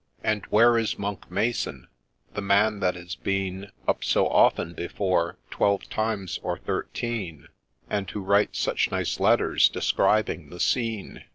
And where is Monck Mason, the man that has been Up so often before — twelve times or thirteen — And who writes such nice letters describing the scene